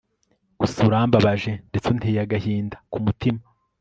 gusa urambabaje ndetse unteye agahinda ku mutima